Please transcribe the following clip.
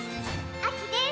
あきです！